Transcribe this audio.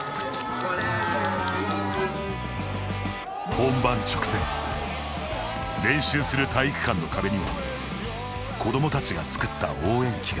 本番直前練習する体育館の壁には子どもたちが作った応援旗が。